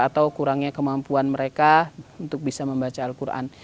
atau kurangnya kemampuan mereka untuk bisa membaca al quran